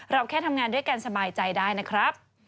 แค่ทำงานด้วยกันสบายใจได้นะครับ